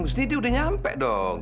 mesti dia udah nyampe dong